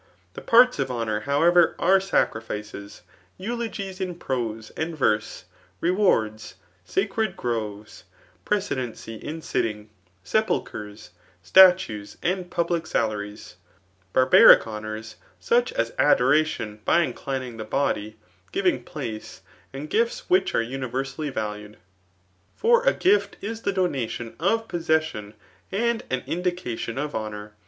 The parts of honom*, however, are, sacrifices, eulogies in forose and .verse, rewards, sacred groves, pre cedency in shthig, sepulchres, scitues, and public salaries; barbaric honours, such as adoration by inclinii^ the body, giving place, and gifts whidi are universally valued^ For a gift k the d(mati6n of possession, and an indication of honour.